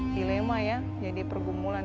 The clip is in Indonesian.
dilema ya jadi pergumulan